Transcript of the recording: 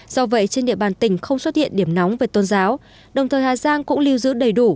do vậy trên địa bàn tỉnh không xuất hiện điểm nóng về tôn giáo đồng thời hà giang cũng lưu giữ đầy đủ